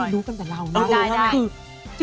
นี่รู้กันแต่เรานี่